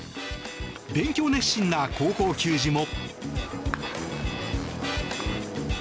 勉強熱心な高校球児も。